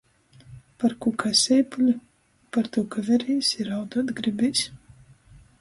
Parkū kai seipuli? Partū, ka verīs i rauduot gribīs...